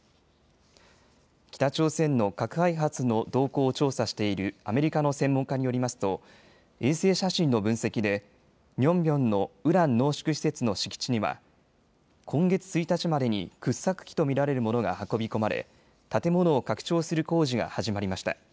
北朝鮮の核開発の動向を調査しているアメリカの専門家によりますと衛星写真の分析でニョンビョンのウラン濃縮施設の敷地には今月１日までに掘削機と見られるものが運び込まれ建物を拡張する工事が始まりました。